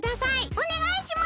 おねがいします！